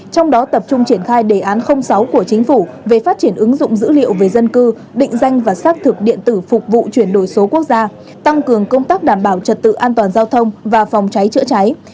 trong đó tập trung triển khai đề án sáu của chính phủ về phát triển ứng dụng dữ liệu về dân cư định danh và xác thực điện tử phục vụ chuyển đổi số quốc gia tăng cường công tác đảm bảo trật tự an toàn giao thông và phòng cháy chữa cháy